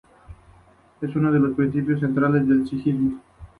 Es uno de los principios centrales del sijismo.